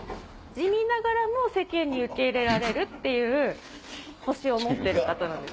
地味ながらも世間に受け入れられるっていう星を持ってる方なんです。